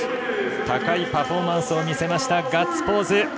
高いパフォーマンスを見せました、ガッツポーズ。